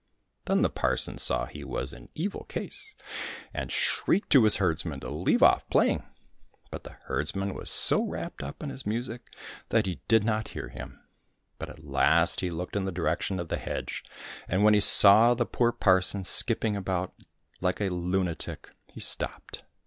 Then the parson saw he was in evil case, and shrieked to his herdsman to leave oft' playing ; but the herdsman was so wrapped up in his music that he did not hear him ; but at last he looked in the direction of the hedge, and when he saw the poor parson skipping about Hke a lunatic, he stopped.